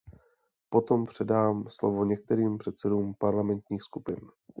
Potom předám slovo některým předsedům parlamentních skupin.